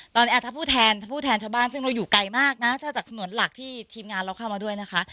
ตอนนี้ถ้าผู้แทนถ้าผู้แทนชาวบ้านซึ่งเราอยู่ไกลมากนะถ้าจากสนวนหลักที่ทีมงานเราเข้ามาด้วยนะคะ